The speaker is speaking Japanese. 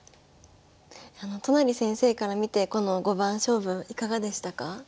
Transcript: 都成先生から見てこの五番勝負いかがでしたか？